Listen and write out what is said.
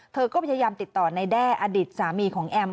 เธอก็พยายามติดต่อในแด้อดีตสามีของแอม